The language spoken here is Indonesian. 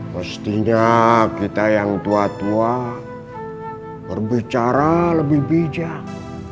mestinya kita yang tua tua berbicara lebih bijak